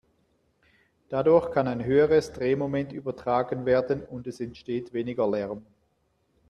Dadurch kann ein höheres Drehmoment übertragen werden und es entsteht weniger Lärm.